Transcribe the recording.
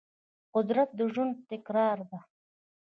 قدرت د ژوند تګلاره ده.